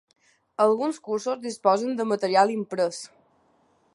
Alguns cursos disposen de material imprès.